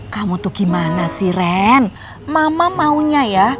kamu tuh gimana sih ren mama maunya ya